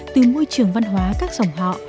từ môi trường văn hóa các dòng họ